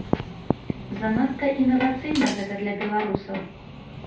Занадта інавацыйна гэта для беларусаў.